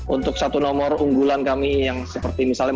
untuk satu nomor unggulan kami yang seperti misalnya